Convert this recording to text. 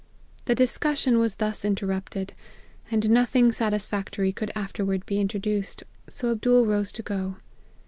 " The discussion was thus interrupted, and no thing satisfactory could afterward be introduced ; so Abdool rose to go.